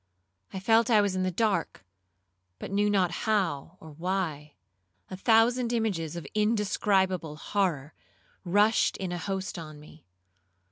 I felt I was in the dark, but knew not how or why. A thousand images of indescribable horror rushed in a host on me.